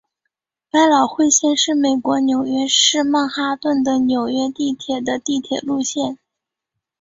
百老汇线是美国纽约市曼哈顿的纽约地铁的地铁路线。